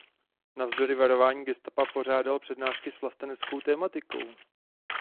Navzdory varování gestapa pořádal přednášky s vlasteneckou tematikou.